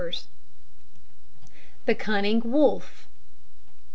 THE CUNNING WOLF.